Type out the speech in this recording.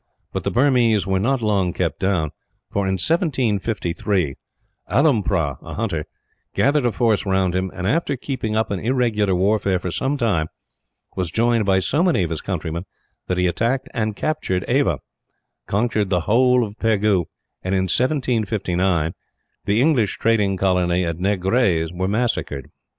But the Burmese were not long kept down for, in 1753, Alompra a hunter gathered a force round him and, after keeping up an irregular warfare for some time, was joined by so many of his countrymen that he attacked and captured Ava, conquered the whole of Pegu and, in 1759, the English trading colony at Negrais were massacred.